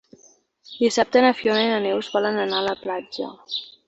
Dissabte na Fiona i na Neus volen anar a la platja.